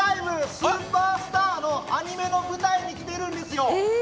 スーパースター！！」のアニメの舞台に来てるんですよ。